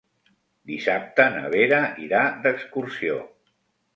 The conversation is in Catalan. Dissabte na Vera irà d'excursió.